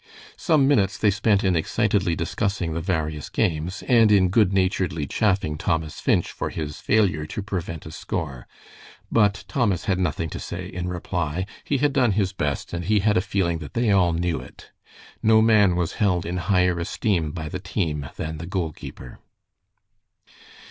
Some minutes they spent in excitedly discussing the various games, and in good naturedly chaffing Thomas Finch for his failure to prevent a score. But Thomas had nothing to say in reply. He had done his best, and he had a feeling that they all knew it. No man was held in higher esteem by the team than the goal keeper.